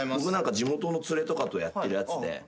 僕地元の連れとかとやってるやつで。